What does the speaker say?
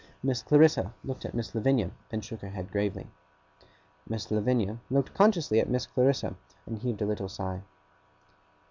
Miss Clarissa looked at Miss Lavinia, and shook her head gravely. Miss Lavinia looked consciously at Miss Clarissa, and heaved a little sigh.